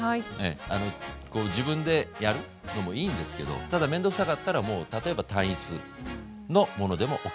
あのこう自分でやるのもいいんですけどただ面倒くさかったらもう例えば単一のものでもＯＫ。